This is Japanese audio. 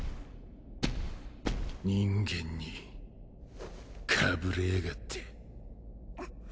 人間にかぶれやがって。